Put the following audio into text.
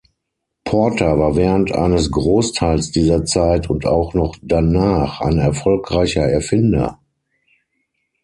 Porter war während eines Großteils dieser Zeit und auch noch danach ein erfolgreicher Erfinder.